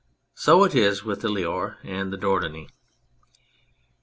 So it is with the Loire, and the Dordogne.